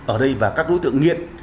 ở đây và các đối tượng nghiện